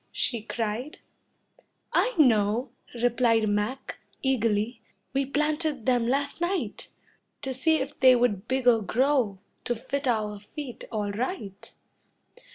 she cried. "I know," replied Mac, eagerly, "We planted them last night, To see if they would bigger grow To fit our feet all right."